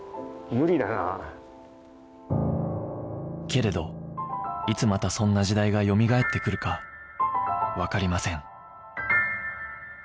けれどいつまたそんな時代がよみがえってくるかわかりません